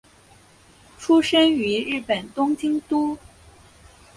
出身于日本东京都。